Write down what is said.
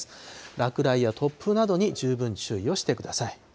落雷や突風などに十分注意をしてください。